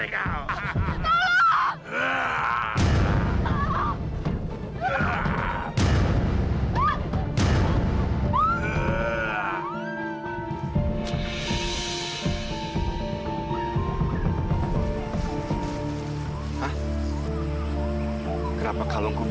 eb goingoreduk bah ragad